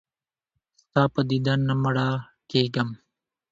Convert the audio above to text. ستا په دیدن نه مړه کېږم.